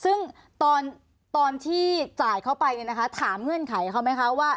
ซึ่งตอนที่จ่ายเข้าไปเนี่ยนะคะถามเงื่อนไขเขาไหมคะว่า